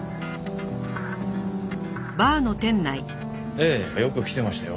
ええよく来てましたよ。